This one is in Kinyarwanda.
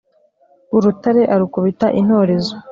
urutare arukubita intorezo,